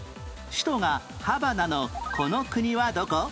首都がハバナのこの国はどこ？